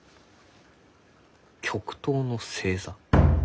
「極東の星座」。